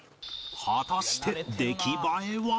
果たして出来栄えは？